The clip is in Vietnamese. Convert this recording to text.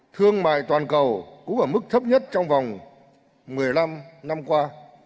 thương mại toàn cầu cũng ở mức thấp nhất trong vòng một mươi năm năm qua